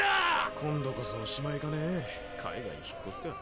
今度こそお終いかねぇ海外に引っ越すか。